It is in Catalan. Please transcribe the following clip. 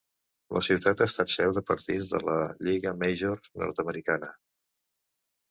La ciutat ha estat seu de partits de la Lliga Major nord-americana.